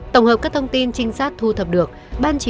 tổng hợp các thông tin trinh sát thu thập được